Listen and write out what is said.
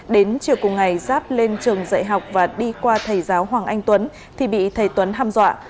đến chiều cùng ngày giáp lên trường dạy học và đi qua thầy giáo hoàng anh tuấn thì bị thầy tuấn ham dọa